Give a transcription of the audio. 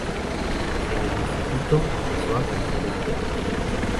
En el instituto, empezó a cantar en directo.